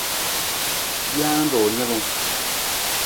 Jee ru nalung.